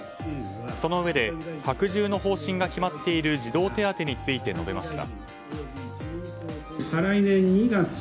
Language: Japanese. そのうえで拡充の方針が決まっている児童手当について述べました。